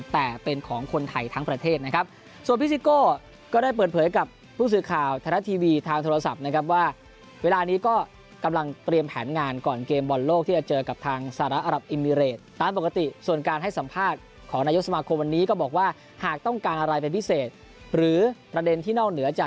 แต่เป็นของคนไทยทั้งประเทศนะครับส่วนพี่ซิโก้ก็ได้เปิดเผยกับผู้สื่อข่าวไทยรัฐทีวีทางโทรศัพท์นะครับว่าเวลานี้ก็กำลังเตรียมแผนงานก่อนเกมบอลโลกที่จะเจอกับทางสหรัฐอรับอิมิเรตตามปกติส่วนการให้สัมภาษณ์ของนายกสมาคมวันนี้ก็บอกว่าหากต้องการอะไรเป็นพิเศษหรือประเด็นที่นอกเหนือจาก